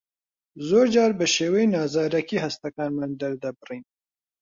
زۆرجار بە شێوەی نازارەکی هەستەکانمان دەردەبڕین.